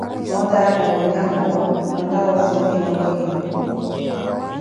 mootaya puwa onyakhuwa, ontta woosiwa ohina pwehiwe.